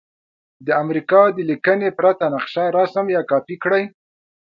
د امریکا د لیکنې پرته نقشه رسم یا کاپې کړئ.